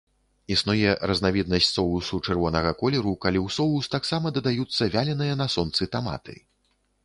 Існуе разнавіднасць соусу чырвонага колеру, калі ў соус таксама дадаюцца вяленыя на сонцы таматы.